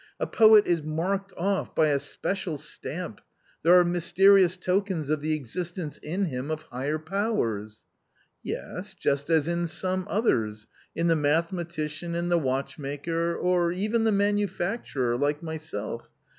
A poet is marked off by a special stamp ; there are mysterious tokens of the exist ence in him of higher powers." " Yes, just as in some others — in the mathematician and the watchmaker or even the manufacturer, like myself.